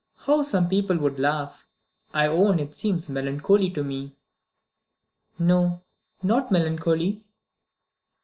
How some people would laugh! I own it seems melancholy to me." "No; not melancholy."